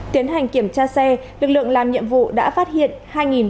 tiến hành kiểm tra xe lực lượng làm nhiệm vụ đã phát hiện